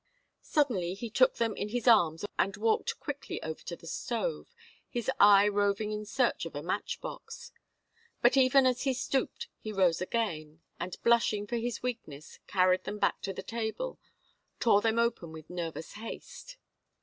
Suddenly he took them in his arms and walked quickly over to the stove, his eye roving in search of a match box. But even as he stooped he rose again, and, blushing for his weakness, carried them back to the table, tore them open with nervous haste.